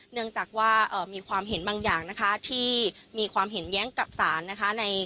เนื่องจากว่ามีความเห็นบางอย่างนะคะที่มีความเห็นแย้งกับศาลนะคะ